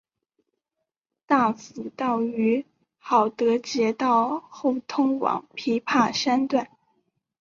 大埔道于郝德杰道后通往琵琶山段。